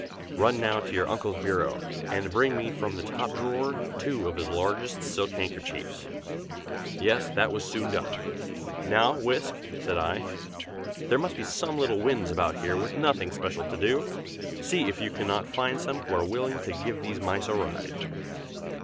Run now to your uncle's bureau, and bring me from the top drawer two of his largest silk handkerchiefs." Yes, that was soon done. "Now 'Whisk,'" said I, "there must be some little Winds about here with nothing special to do. See if you cannot find some who are willing to give these mice a ride."